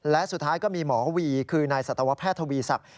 และสุดท้ายก็มีหมอวีคือนายสัตวแพทย์ทวีศักดิ